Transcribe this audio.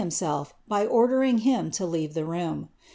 ftiinself by ordering him to leave the room.'